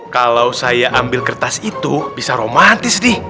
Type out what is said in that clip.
kalau saya ambil kertas itu bisa romantis nih